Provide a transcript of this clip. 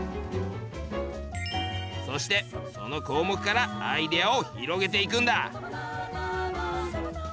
そしてその項目からアイデアを広げていくんだ。